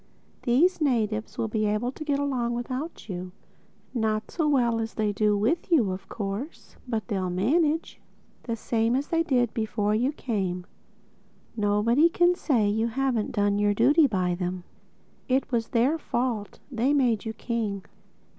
These natives will be able to get along without you—not so well as they do with you of course—but they'll manage—the same as they did before you came. Nobody can say you haven't done your duty by them. It was their fault: they made you king.